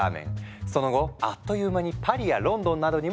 その後あっという間にパリやロンドンなどにも広がっていった。